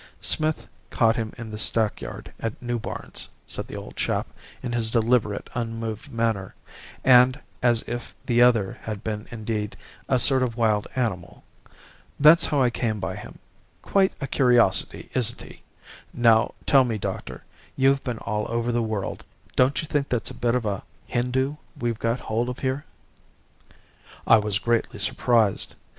"'Smith caught him in the stackyard at New Barns,' said the old chap in his deliberate, unmoved manner, and as if the other had been indeed a sort of wild animal. 'That's how I came by him. Quite a curiosity, isn't he? Now tell me, doctor you've been all over the world don't you think that's a bit of a Hindoo we've got hold of here.' "I was greatly surprised.